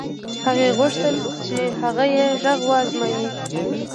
هغې غوښتل چې هغه يې غږ و ازمايي.